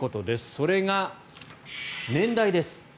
それが、年代です。